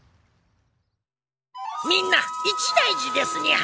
みんな一大事ですニャ。